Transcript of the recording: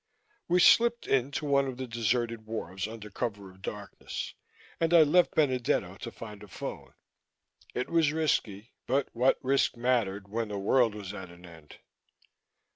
We slipped in to one of the deserted wharves under cover of darkness, and I left Benedetto to find a phone. It was risky, but what risk mattered when the world was at an end?